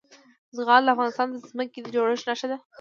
زغال د افغانستان د ځمکې د جوړښت نښه ده.